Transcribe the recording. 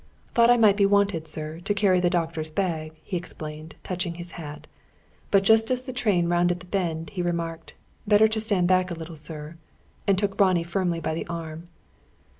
"Thought I might be wanted, sir, to carry the doctor's bag," he explained, touching his hat. But, just as the train rounded the bend, he remarked: "Better stand back a little, sir," and took Ronnie firmly by the arm.